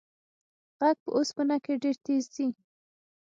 غږ په اوسپنه کې ډېر تېز ځي.